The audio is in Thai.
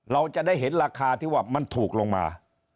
เราจะได้เห็นราคาที่ว่ามันถูกลงมา